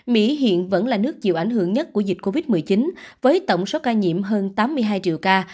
mỹ hiện vẫn là nước chịu ảnh hưởng nhất của dịch covid một mươi chín với tổng số ca nhiễm hơn tám mươi hai triệu ca